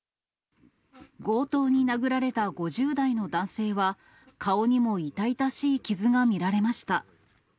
強盗に殴られた５０代の男性は、顔にも痛々しい傷が見られました。